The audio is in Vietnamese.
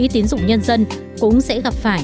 tiến dụng nhân dân cũng sẽ gặp phải